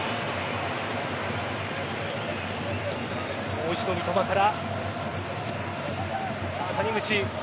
もう一度、三笘から。